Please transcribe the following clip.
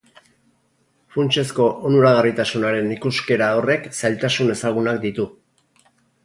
Funtsezko onuragarritasunaren ikuskera horrek zailtasun ezagunak ditu.